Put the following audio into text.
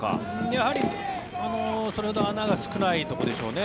やはり、それほど穴が少ないところでしょうね。